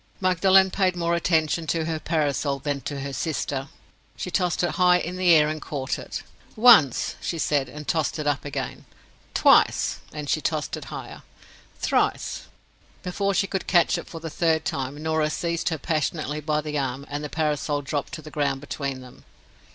Magdalen paid more attention to her parasol than to her sister. She tossed it high in the air and caught it. "Once!" she said—and tossed it up again. "Twice!"—and she tossed it higher. "Thrice—" Before she could catch it for the third time, Norah seized her passionately by the arm, and the parasol dropped to the ground between them.